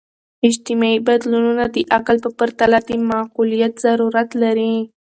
اجتماعي بدلونونه د عقل په پرتله د معقولیت ضرورت لري.